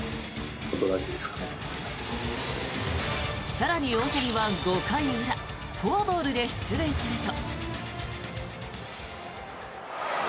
更に大谷は５回裏フォアボールで出塁すると。